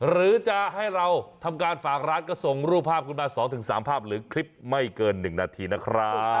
หรือจะให้เราทำการฝากร้านก็ส่งรูปภาพคุณมา๒๓ภาพหรือคลิปไม่เกิน๑นาทีนะครับ